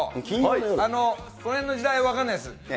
このへんの時代、分かんないです。